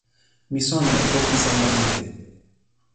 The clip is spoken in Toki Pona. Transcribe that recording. mi sona e toki sama mute.